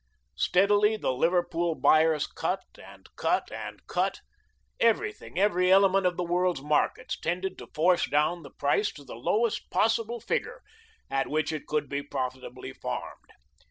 Steadily the Liverpool buyers cut and cut and cut. Everything, every element of the world's markets, tended to force down the price to the lowest possible figure at which it could be profitably farmed.